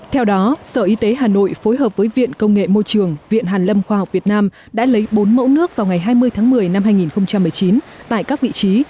theo đó sở y tế hà nội phối hợp với viện công nghệ môi trường viện hàn lâm khoa học việt nam đã lấy bốn mẫu nước vào ngày hai mươi tháng một mươi năm hai nghìn một mươi chín tại các vị trí